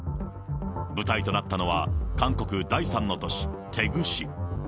舞台となったのは、韓国第３の都市、テグ市。